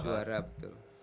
iya juara betul